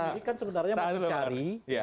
bung willy kan sebenarnya mencari